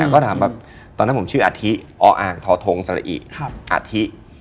ก็ทำแบบตอนนั้นผมชื่ออาธิออธสระอิอาธิ